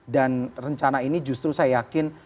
dan rencana ini justru saya yakin